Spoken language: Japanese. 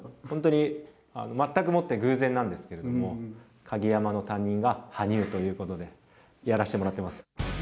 本当に、全くもって偶然なんですけども、鍵山の担任が羽生ということでやらせてもらってます。